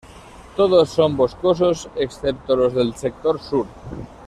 Todos son boscosos excepto los del sector sur.